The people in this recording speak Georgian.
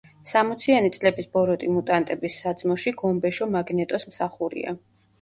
სამოციანი წლების ბოროტი მუტანტების საძმოში გომბეშო მაგნეტოს მსახურია.